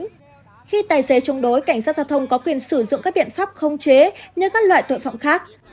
khi tài xế chống đối cảnh sát giao thông có quyền sử dụng các biện pháp không chế như các loại tội phạm khác